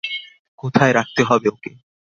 কোথায় রাখতে হবে ওকে?